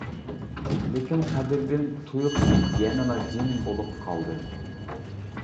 لېكىن قەدىردىن تۇيۇقسىز يەنىلا جىم بولۇپ قالدى.